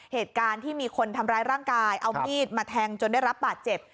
เหตุการณ์ที่มีคนทำร้ายร่างกายเอามีดมาแทงจนได้รับบาดเจ็บ